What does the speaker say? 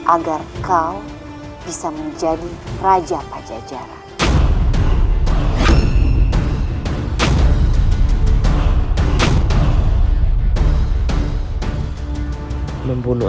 agar kau bisa menjadi raja pajajaran